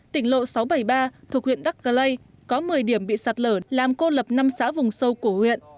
tỉnh lộ sáu trăm bảy mươi ba thuộc huyện đắc cơ lây có một mươi điểm bị sạt lở làm cô lập năm xã vùng sâu của huyện